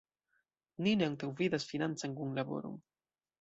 Ni ne antaŭvidas financan kunlaboron.